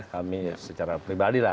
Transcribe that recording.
kami secara pribadi lah